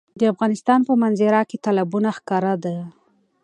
د افغانستان په منظره کې تالابونه ښکاره ده.